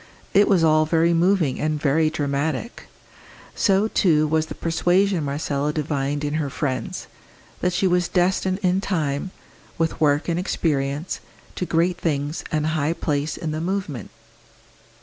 It was all very moving and very dramatic; so, too, was the persuasion Marcella divined in her friends, that she was destined in time, with work and experience, to great things and high place in the movement.